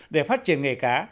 để phát triển nghề cá